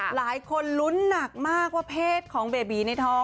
หลายคนลุ้นหนักมากว่าเพศของเบบีในท้อง